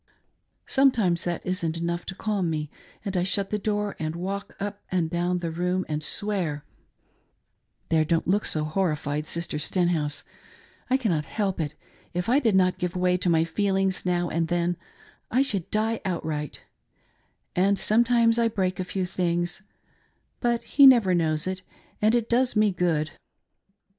Sometimes that isn't enough to calm me and I shut the door and walk up 400 A WIIfElS PESEAIR. and down the room and swear ;— there, don't look so homfied, Sister Stenhouse ! I cannot help it ; if I did not give way to my feelings now and then I should die outright ;— and some times I break a few things, — but he never knows it, and it does me good.